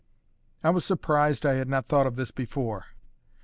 I was surprised I had not thought of this before.